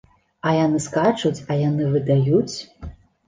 А яны скачуць, а яны выдаюць!